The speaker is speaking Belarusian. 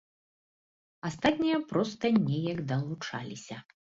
Астатнія проста неяк далучаліся.